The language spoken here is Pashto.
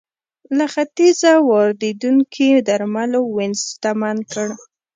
له ختیځه واردېدونکو درملو وینز شتمن کړ